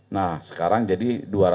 nah sekarang jadi dua ratus tujuh puluh dua